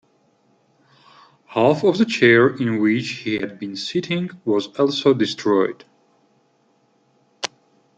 Half of the chair in which he had been sitting was also destroyed.